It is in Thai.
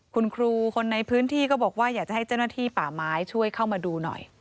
คุณครูคนในพื้นที่ก็บอกว่าอยากจะให้เจ้าหน้าที่ป่าไม้ช่วยเข้ามาดูหน่อย